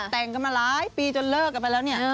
แต่งกันมาหลายปีจนเลิกกันไปแล้วเนี่ย